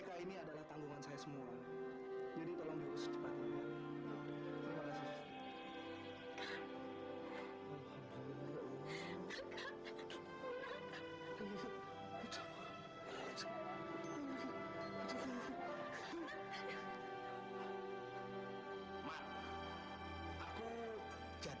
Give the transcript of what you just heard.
dan pak dipon bapak gak usah khawatir